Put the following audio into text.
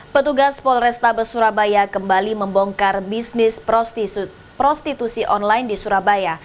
petugas polrestabes surabaya kembali membongkar bisnis prostitusi online di surabaya